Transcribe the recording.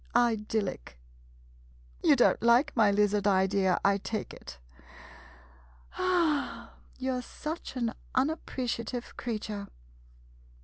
Idyllic! You don't like my lizard idea, I take it? You 're such an unappreciative creature.